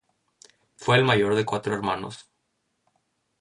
Fue el mayor de cuatro hermanos.